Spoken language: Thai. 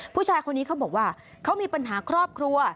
ผู้ชายคนนี้เขาบอกว่าเขามีปัญหาครอบครัว